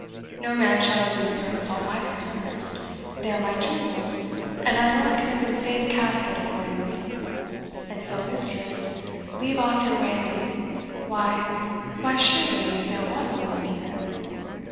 No man shall abuse or insult my prisoners; they are my jewels, and I lock them in safe casket accordingly. And so, mistress, leave off your wailing. Why! why, surely, there was a woman here!"